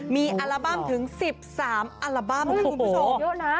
มีอัลบั้มถึง๑๓อัลบั้มนะคุณผู้ชม